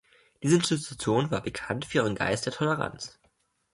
Diese Institution war bekannt für ihren Geist der Toleranz.